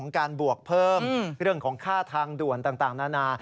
การบวกเพิ่มเรื่องของค่าทางด่วนต่างนานา